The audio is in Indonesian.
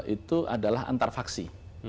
itu adalah antar faksi